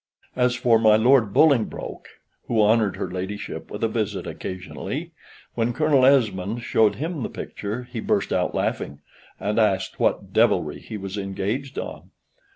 As for my Lord Bolingbroke, who honored her ladyship with a visit occasionally, when Colonel Esmond showed him the picture he burst out laughing, and asked what devilry he was engaged on?